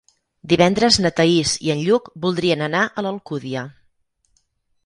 Divendres na Thaís i en Lluc voldrien anar a l'Alcúdia.